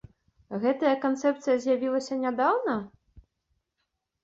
Гэтая канцэпцыя з'явілася нядаўна?